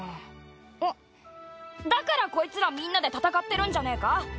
おっだからコイツらみんなで戦ってるんじゃねえか？